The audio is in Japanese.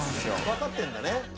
分かってんだね